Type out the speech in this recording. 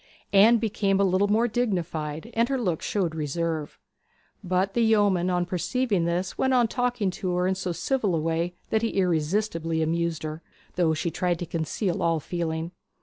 Anne became a little more dignified, and her look showed reserve. But the yeoman on perceiving this went on talking to her in so civil a way that he irresistibly amused her, though she tried to conceal all feeling.